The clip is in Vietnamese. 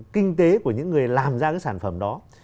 kinh tế của những người làm ra cái sản phẩm đó